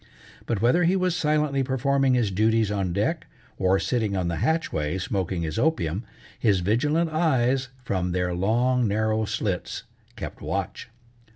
But whether he was silently performing his duties on deck, or sitting on the hatchway smoking his opium, his vigilant eyes from their long, narrow slits kept watch.